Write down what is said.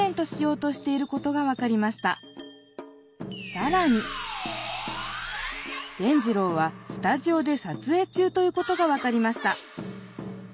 さらに伝じろうはスタジオでさつえい中ということが分かりました